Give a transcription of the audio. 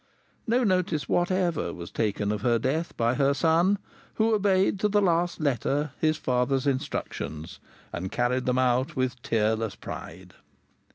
No notice whatever was taken of her death by her son, who obeyed to the last letter his father's instructions, and carried them out with tearless pride.